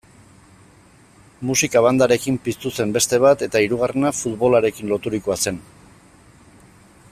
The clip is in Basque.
Musika-bandarekin piztu zen beste bat, eta hirugarrena futbolarekin loturikoa zen.